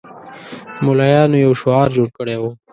ملایانو یو شعار جوړ کړی وو.